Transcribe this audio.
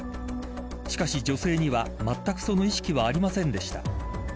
しかし女性には、まったくその意識はありませんでした。